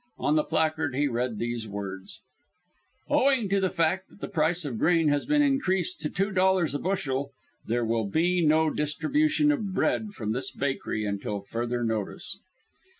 On the placard he read these words: "Owing to the fact that the price of grain has been increased to two dollars a bushel, there will be no distribution of bread from this bakery until further notice."